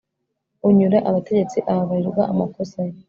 unyura abategetsi ababarirwa amakosa ye